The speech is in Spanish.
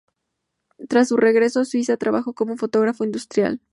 Tras su regreso a Suiza trabajó como fotógrafo industrial.